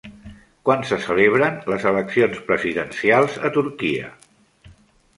Quan se celebren les eleccions presidencials a Turquia?